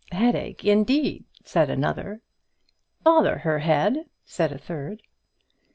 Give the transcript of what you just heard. "Headache indeed!" said another. "Bother her head!" said a third.